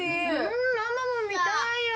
ママも見たいよ！